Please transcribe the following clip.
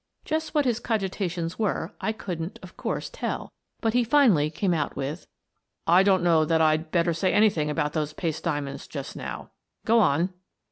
Just what his cogitations were, I couldn't, of course, tell, but he finally came out with :" I don't know that I'd better say anything about those paste diamonds just now. Go on."